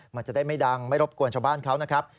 มันจะได้ไม่ดังไม่รบกวนชาวบ้านเขานะครับ